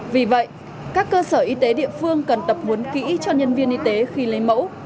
vì vậy các cơ sở y tế địa phương cần tập huấn kỹ cho nhân viên y tế khi lấy mẫu